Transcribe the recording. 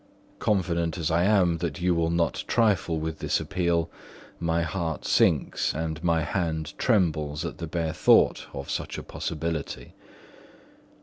"Confident as I am that you will not trifle with this appeal, my heart sinks and my hand trembles at the bare thought of such a possibility.